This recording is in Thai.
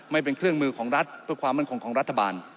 ไม่เป็นเครื่องมือของรัฐเพื่อความมั่นคงของรัฐบาล